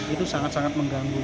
itu sangat sangat mengganggu